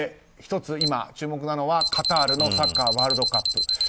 １つ今、注目なのはカタールのサッカーワールドカップ。